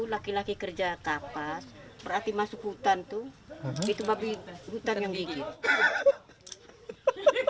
laki laki kerja kapas berarti masuk hutan tuh itu babi hutan yang dikit